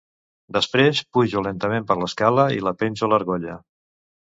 Després pujo lentament per l'escala i la penjo a l'argolla.